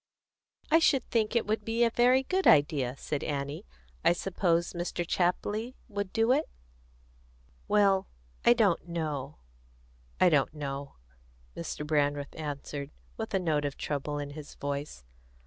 "I should think it would be a very good idea," said Annie. "I suppose Mr. Chapley would do it?" "Well, I don't know I don't know," Mr. Brandreth answered, with a note of trouble in his voice.